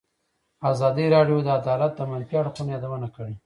ازادي راډیو د عدالت د منفي اړخونو یادونه کړې.